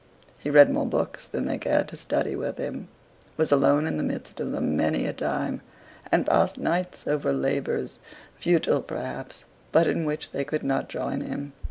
He read more books than they cared to study with him; was alone in the midst of them many a time, and passed nights over labors, futile perhaps, but in which they could not join him.